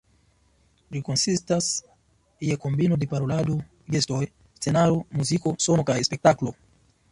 Ĝi konsistas je kombino de parolado, gestoj, scenaro, muziko, sono kaj spektaklo.